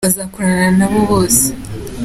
bazakorana na bo bose.